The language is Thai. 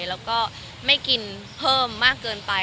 แล้วก็ไม่กินเพิ่มมากเกินไป